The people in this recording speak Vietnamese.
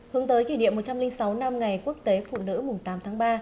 hướng tới kỷ niệm một trăm linh sáu năm ngày quốc tế phụ nữ mùng tám tháng ba